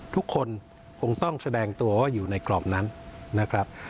ทุกคนคงต้องแสดงตัวว่าอยู่ในกรอบนั้นนะครับ